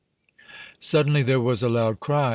Suddenly there was a loud cry.